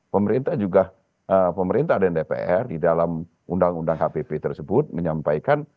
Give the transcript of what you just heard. pemerintah juga pemerintah dan dpr di dalam undang undang hpp tersebut menyampaikan